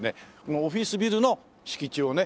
オフィスビルの敷地をね